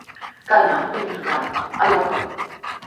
Kayman puñukushunpaq aywakamuy.